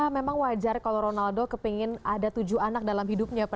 memang wajar kalau ronaldo kepingin ada tujuh anak dalam hidupnya